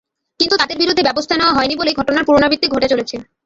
কিন্তু তাদের বিরুদ্ধে ব্যবস্থা নেওয়া হয়নি বলেই ঘটনার পুনরাবৃত্তি ঘটে চলেছে।